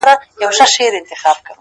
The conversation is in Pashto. گراني بس څو ورځي لا پاته دي،